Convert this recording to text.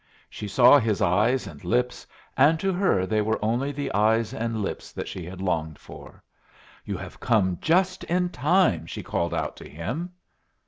She saw his eyes and lips, and to her they were only the eyes and lips that she had longed for. "You have come just in time," she called out to him.